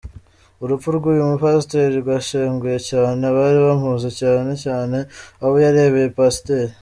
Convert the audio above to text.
Urupfu rw’uyu mupasiteri rwashenguye cyane abari bamuzi cyane cyane abo yarabereye pasiteri.